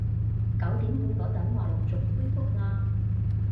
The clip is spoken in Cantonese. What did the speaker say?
九點半嗰陣話陸續恢復嘛